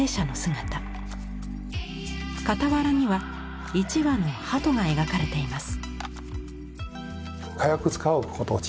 傍らには一羽の鳩が描かれています。